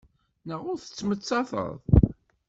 Naɣ ur tettmettateḍ?